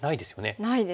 ないですね。